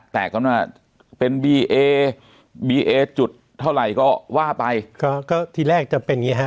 แต่กันว่าเป็นบีเอบีเอจุดเท่าไหร่ก็ว่าไปก็ก็ทีแรกจะเป็นอย่างงี้ฮะ